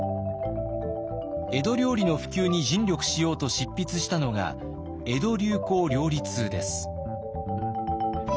江戸料理の普及に尽力しようと執筆したのが「江戸流行料理通」です。